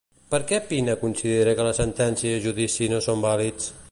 Per què Pina considera que la sentència i el judici no són vàlids?